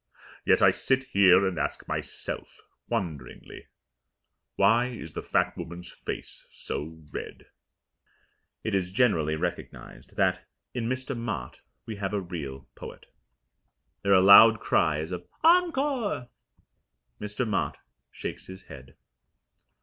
Yet I sit here and ask myself Wonderingly Why is the fat woman's face so red? It is generally recognized that, in Mr. Mott, we have a real poet. There are loud cries of "Encore!" Mr. Mott shakes his head.